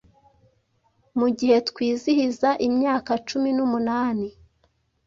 mu gihe twizihiza imyaka cumi numunani